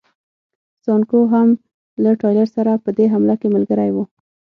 سانکو هم له ټایلر سره په دې حمله کې ملګری و.